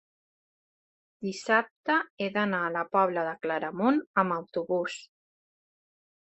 dissabte he d'anar a la Pobla de Claramunt amb autobús.